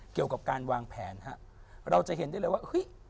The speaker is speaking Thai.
เกี่ยวกับการวางแผนฮะเราจะเห็นได้เลยว่าเฮ้ย